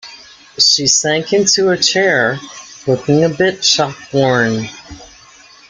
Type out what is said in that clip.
She sank into a chair, looking a bit shop-worn.